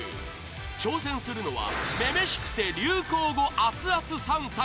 挑戦するのは「女々しくて」流行語アツアツ３択！